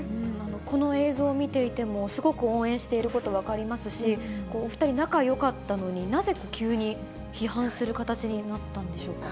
この映像を見ていても、すごく応援していること分かりますし、お２人、仲よかったのに、なぜ急に批判する形になったんでしょうか。